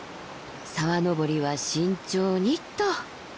沢登りは慎重にと。